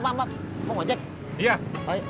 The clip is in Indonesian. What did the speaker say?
mana kamu beredar bang